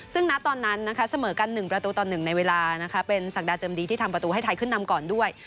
ซึ่งณตอนนั้นนะคะเสมอกัน๑ประตูต่อ๑ในเวลานะคะเป็นศักดาเจิมดีที่ทำประตูให้ไทยขึ้นนำก่อนด้วย